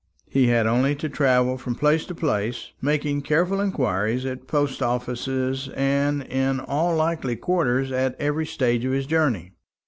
He had only to travel from place to place, making careful inquiries at post offices and in all likely quarters at every stage of his journey.